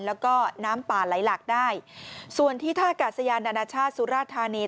แล้วก็น้ำป่าไหลหลากได้ส่วนที่ท่ากาศยานนานาชาติสุราธานี